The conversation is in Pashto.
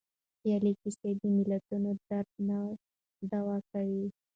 خیالي کيسې د ملتونو درد نه دوا کوي.